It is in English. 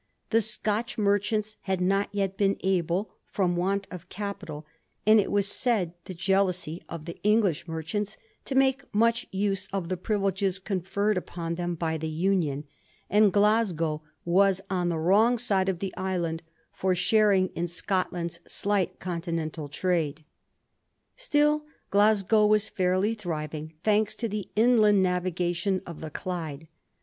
The Scotch merchants had not yet been able, f5pom want of capital, and, it was said, the jealousy of the English merchants, to make much use of the privileges conferred upon them by the Union, and Glasgow was on the wrong side of the island for sharing in Scotland's slight Continental trade. Still, Glasgow was fairly thriving, thanks to the inland navigation of the Clyde.